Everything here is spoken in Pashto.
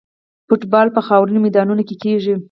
فوټبال په خاورینو میدانونو کې کیږي.